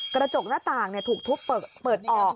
กระจกหน้าต่างถูกทุบเปิดออก